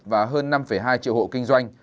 và hơn năm hai triệu hộ kinh doanh